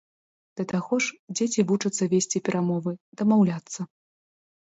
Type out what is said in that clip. Да таго ж, дзеці вучацца весці перамовы, дамаўляцца.